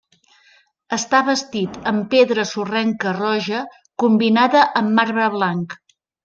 Està bastit amb pedra sorrenca roja, combinada amb marbre blanc.